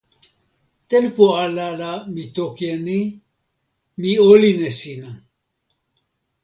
tenpo ala la mi toki e ni: mi olin e sina.